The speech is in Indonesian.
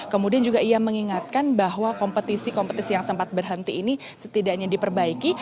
kemudian juga ia mengingatkan bahwa kompetisi kompetisi yang sempat berhenti ini setidaknya diperbaiki